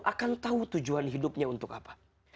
akan tahu tujuan hidupnya untuk apa